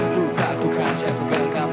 tukang kukan siapu gengam